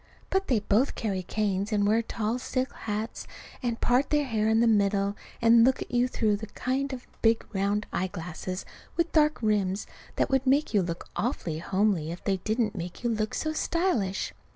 But they both carry canes and wear tall silk hats, and part their hair in the middle, and look at you through the kind of big round eyeglasses with dark rims that would make you look awfully homely if they didn't make you look so stylish.